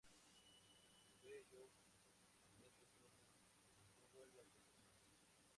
El vello en esa zona no vuelve a crecer más.